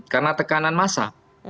karena tekanan massa